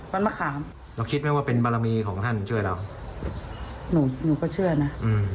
มะขามเราคิดไหมว่าเป็นบารมีของท่านช่วยเราหนูหนูก็เชื่อนะอืม